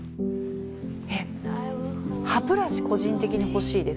えっ歯ブラシ個人的に欲しいです。